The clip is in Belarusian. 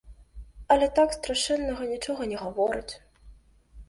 Але так страшэннага нічога не гавораць.